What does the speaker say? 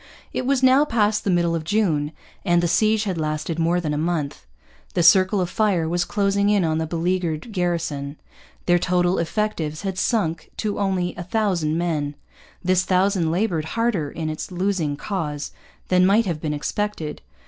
It was now past the middle of June, and the siege had lasted more than a month. The circle of fire was closing in on the beleaguered garrison. Their total effectives had sunk to only a thousand men. This thousand laboured harder in its losing cause than might have been expected.